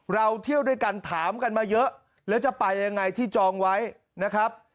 เราเที่ยวด้วยกันถามกันมาเยอะแล้วจะไปยังไงที่จองไว้นะครับ